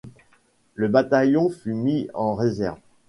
Le bataillon fut mis en réserve.